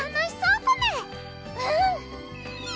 うん！